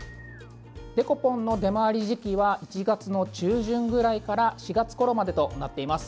デコポンの出回り時期は１月の中旬ぐらいから４月ごろまでとなっています。